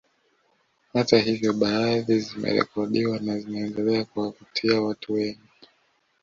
Hata hivyo baadhi zimerekodiwa na zinaendelea kuwavutia watu wengi